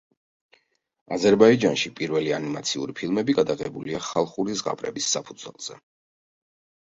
აზერბაიჯანში პირველი ანიმაციური ფილმები გადაღებულია ხალხური ზღაპრების საფუძველზე.